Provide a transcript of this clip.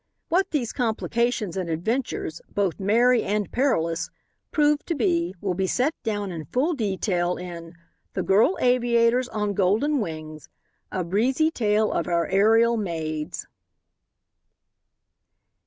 What these complications and adventures, both merry and perilous, proved to be will be set down in full detail in "The Girl Aviators on Golden Wings," a breezy tale of our aerial maids.